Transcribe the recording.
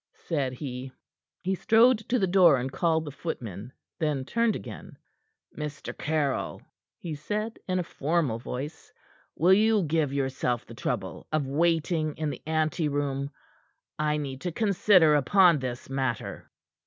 said he. He strode to the door and called the footmen, then turned again. "Mr. Caryll," he said in a formal voice, "will you give yourself the trouble of waiting in the ante room? I need to consider upon this matter."